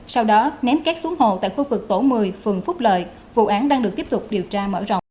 sau đó ném cát xuống hồ tại khu vực tổ một mươi phường phúc lợi vụ án đang được tiếp tục điều tra mở rộng